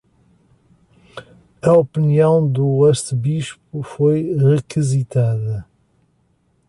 A opinião do arcebispo foi requisitada